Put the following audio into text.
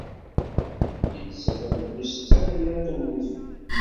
Yelsa tabluzt d tamellalt am udfel